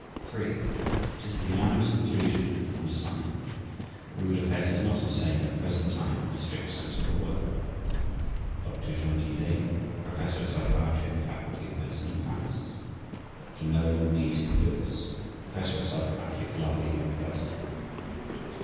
(3) It is the unanimous conclusion of the undersigned that Rudolf Hess is not insane at the present time in the strict sense of the word. /s/ DR. JEAN DELAY Professor of Psychiatry at the Faculty of Medicine in Paris /s/ DR. NOLAN D. C. LEWIS Professor of Psychiatry, Columbia University /s/ DR.